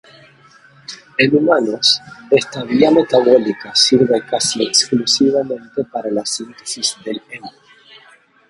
En humanos, esta vía metabólica sirve casi exclusivamente para la síntesis del hemo.